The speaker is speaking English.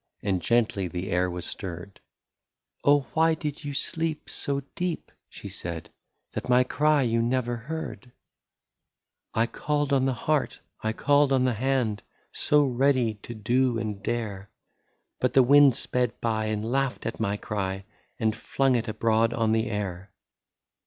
And gently the air was stirred :" Oh, why did you sleep so deep,*' she said, That my cry you never heard ?^ I called on the heart, I called on the hand. So ready to do and dare. But the wind sped by, and laughed at my cry. And flung it abroad on the air.